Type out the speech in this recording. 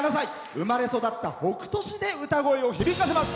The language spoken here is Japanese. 生まれ育った北斗市で歌声を響かせます。